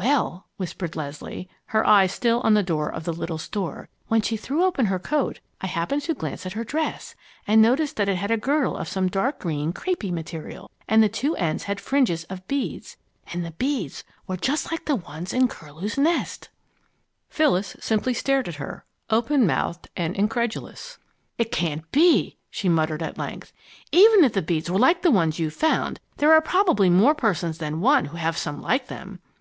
"Well," whispered Leslie, her eyes still on the door of the little store, "when she threw open her coat I just happened to glance at her dress, and noticed that it had a girdle of some dark green, crêpe y material, and the two ends had fringes of beads and the beads were just like the ones in Curlew's Nest!" Phyllis simply stared at her, open mouthed and incredulous. "It can't be!" she muttered at length. "Even if the beads were like the ones you found there are probably more persons than one who have some like them."